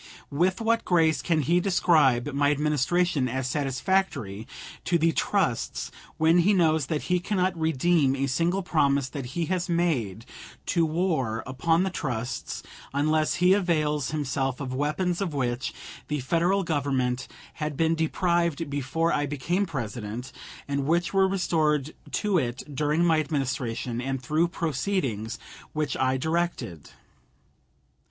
With what grace can he describe my Administration as satisfactory to the trusts when he knows that he cannot redeem a single promise that he has made to war upon the trusts unless he avails himself of weapons of which the Federal Government had been deprived before I became President, and which were restored to it during my Administration and through proceedings which I directed?